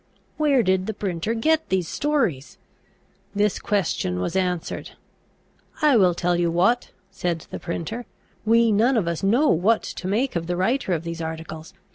Where did the printer get these stories? This question was answered. "I will tell you what," said the printer, "we none of us know what to make of the writer of these articles.